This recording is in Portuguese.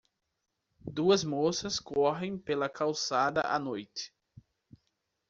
Duas moças correm pela calçada à noite.